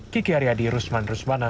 kiki aryadi rusman